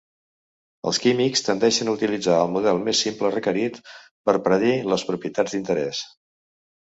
Els químics tendeixen a utilitzar el model més simple requerit per predir les propietats d'interès.